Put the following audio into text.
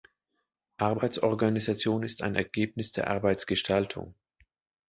Arbeitsorganisation ist ein Ergebnis der Arbeitsgestaltung.